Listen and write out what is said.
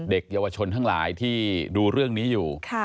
เด็กเยาวชนทั้งหลายที่ดูเรื่องนี้อยู่